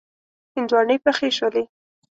هندواڼی پخې شولې.